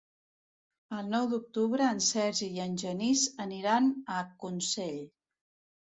El nou d'octubre en Sergi i en Genís aniran a Consell.